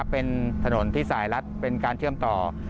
เป็นถนนที่สายรัดเป็นการเชื่อมต่อ